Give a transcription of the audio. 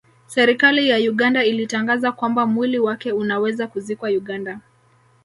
Serikali ya Uganda ilitangaza kwamba mwili wake unaweza kuzikwa Uganda